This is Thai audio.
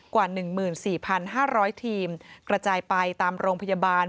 กว่า๑๔๕๐๐ทีมกระจายไปตามโรงพยาบาล